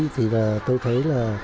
thì tôi thấy là